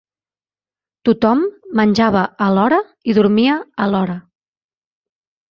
Tot-hom menjava a l'hora, i dormia a l'hora